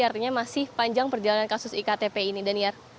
artinya masih panjang perjalanan kasus iktp ini dan ya